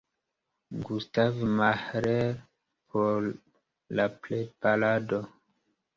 Gustav Mahler por la preparado.